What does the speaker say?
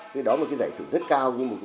thế đó là cái giải thưởng rất cao